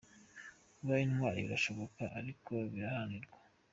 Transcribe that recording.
Kuba intwari birashoboka, ariko biraharanirwa ».